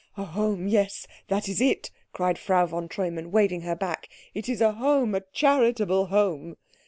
"A home! Yes, that is it," cried Frau von Treumann, waving her back, "it is a home, a charitable home!"